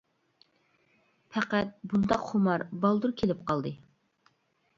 پەقەت بۇنداق خۇمار بالدۇر كېلىپ قالدى.